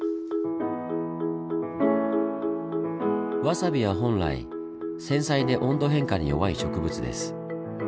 ワサビは本来繊細で温度変化に弱い植物です。